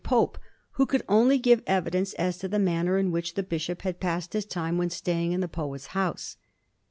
Pope, who could only give evidence as to the manner in which the bishop had passed his time when staying in the poet's house.